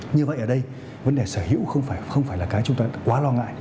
như vậy ở đây vấn đề sở hữu không phải là cái chúng ta quá lo ngại